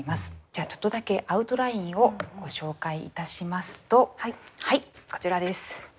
じゃあちょっとだけアウトラインをご紹介いたしますとはいこちらです。